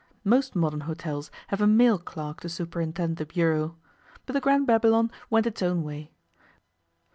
Most modern hotels have a male clerk to superintend the bureau. But the Grand Babylon went its own way.